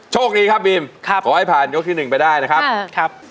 โชคดีครับบีมขอให้ผ่านยกที่๑ไปได้นะครับ